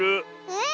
え。